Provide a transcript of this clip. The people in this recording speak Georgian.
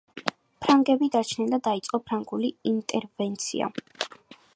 ფრანგები დარჩნენ და დაიწყო ფრანგული ინტერვენცია.